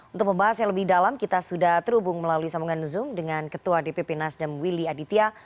untuk membahas yang lebih dalam kita sudah terhubung melalui sambungan zoom dengan ketua dpp nasdem willy aditya